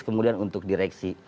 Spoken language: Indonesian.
kemudian untuk direksi